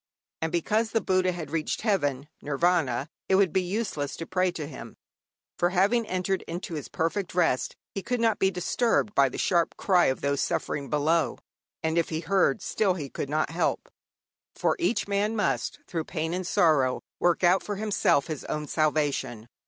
And because the Buddha had reached heaven (Nirvana), it would be useless to pray to him. For, having entered into his perfect rest, he could not be disturbed by the sharp cry of those suffering below; and if he heard, still he could not help; for each man must through pain and sorrow work out for himself his own salvation.